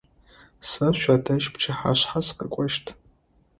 Сэ шъуадэжь пчыхьашъхьэ сыкъэкӏощт.